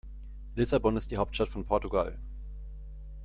Lissabon ist die Hauptstadt von Portugal.